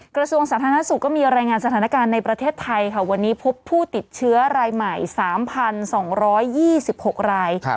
กระทรวงสาธารณสุขก็มีรายงานสถานการณ์ในประเทศไทยค่ะวันนี้พบผู้ติดเชื้อรายใหม่๓๒๒๖ราย